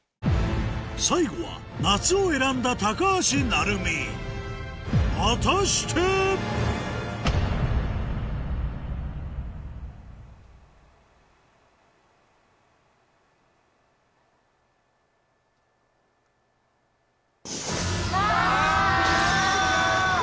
最後は「夏」を選んだ高橋成美果たして⁉あ！